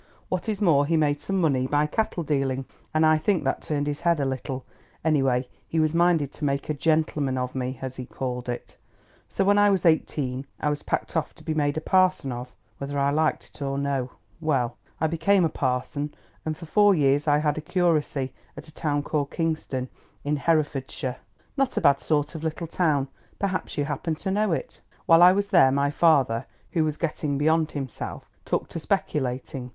What is more, he made some money by cattle dealing, and I think that turned his head a little; anyway, he was minded to make 'a gentleman of me,' as he called it. So when I was eighteen I was packed off to be made a parson of, whether I liked it or no. Well, I became a parson, and for four years I had a curacy at a town called Kingston, in Herefordshire, not a bad sort of little town—perhaps you happen to know it. While I was there, my father, who was getting beyond himself, took to speculating.